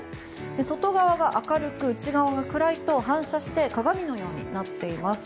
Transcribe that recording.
外側が明るく、内側が暗いと反射して鏡のようになっています。